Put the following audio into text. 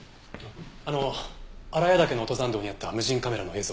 あの荒谷岳の登山道にあった無人カメラの映像は？